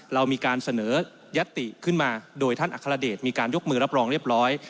เรามีการเสนอยัตติขึ้นมาโดยท่านอัครเดชมีการยกมือรับรองเรียบร้อย